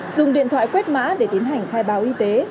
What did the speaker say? dùng điện thoại quét mã để tiến hành khai báo y tế